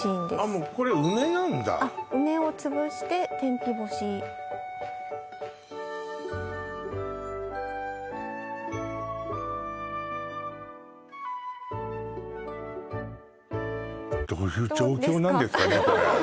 もうこれ梅なんだあっ梅を潰して天日干しどういう状況なんですかね？